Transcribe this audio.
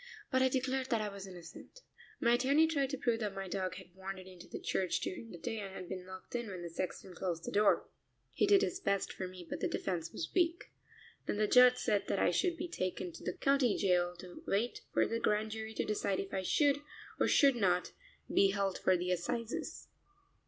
But I declared that I was innocent. My attorney tried to prove that my dog had wandered into the church during the day and had been locked in when the sexton closed the door. He did his best for me, but the defense was weak. Then the judge said that I should be taken to the county jail to wait for the Grand Jury to decide if I should, or should not, be held for the assizes.